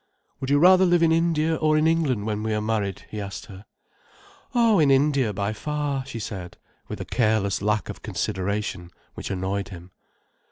"Would you rather live in India or in England when we are married?" he asked her. "Oh, in India, by far," she said, with a careless lack of consideration which annoyed him.